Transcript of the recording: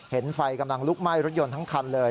ไฟกำลังลุกไหม้รถยนต์ทั้งคันเลย